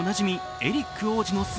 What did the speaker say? エリック王子の姿。